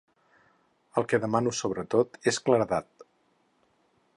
El que demano sobretot és claredat.